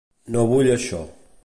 No vull això.